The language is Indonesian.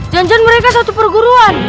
jangan jangan mereka satu perguruan